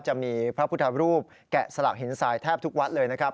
จะมีพระพุทธรูปแกะสลักหินทรายแทบทุกวัดเลยนะครับ